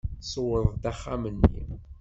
Tṣewwer-d axxam-nni.